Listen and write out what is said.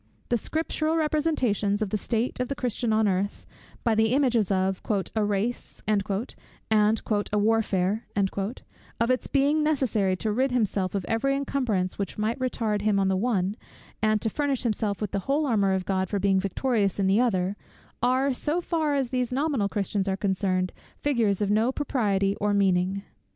The scriptural representations of the state of the Christian on earth, by the images of "a race," and "a warfare;" of its being necessary to rid himself of every encumbrance which might retard him in the one, and to furnish himself with the whole armour of God for being victorious in the other, are, so far as these nominal Christians are concerned, figures of no propriety or meaning.